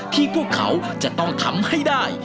พวกเขาจะต้องทำให้ได้